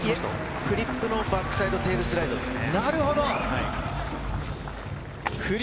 フリップのバックスライドテールスライドですね。